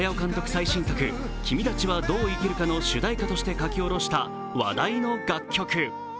最新作「君たちはどう生きるか」の主題歌として書きおろした話題の楽曲。